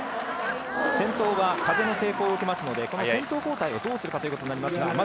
先頭は風の抵抗を受けますので、この先頭交代をどうするかということになりますが、